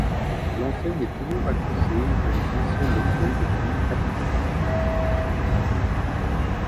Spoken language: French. L'enseigne est toujours accrochée dans les anciens locaux devenus habitations.